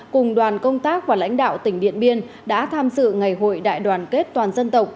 cùng đoàn công tác và lãnh đạo tỉnh điện biên đã tham dự ngày hội đại đoàn kết toàn dân tộc